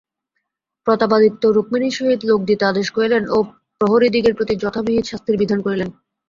প্রতাপাদিত্য রুক্মিণীর সহিত লোক দিতে আদেশ করিলেন ও প্রহরীদিগের প্রতি যথাবিহিত শাস্তির বিধান করিলেন।